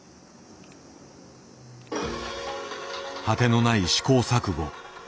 果てのない試行錯誤。